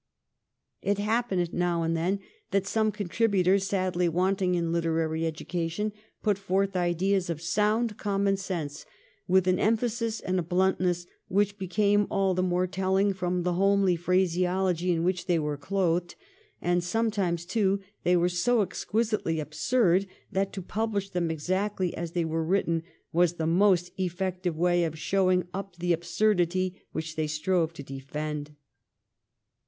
It happened now and then that some contributor, sadly wanting in literary educa tion, put forth ideas of sound common sense with an emphasis and a bluntness which became all the more telling from the homely phraseology in which they were clothed ; and sometimes, too, they were so ex quisitely absurd that to publish them exactly as they were written was the most effective way of showing up the absurdity which they strove to defend.